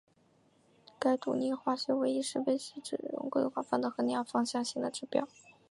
核独立化学位移是被使用得最广泛的衡量芳香性的指标。